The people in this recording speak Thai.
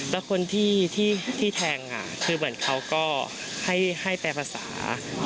แล้วคนที่แทงคือเหมือนเขาก็ให้แปลภาษา